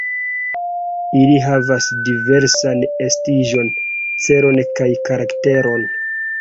Ili havas diversan estiĝon, celon kaj karakteron.